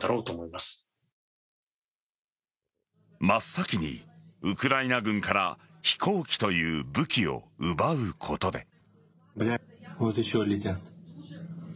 真っ先にウクライナ軍から飛行機という武器を奪うことで。